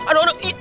aduh aduh aduh